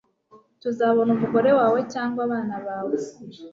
tuzabona umugore wawe cyangwa abana bawe